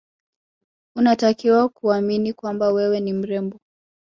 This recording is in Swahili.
Unatakiwa kuamini kwamba wewe ni mrembo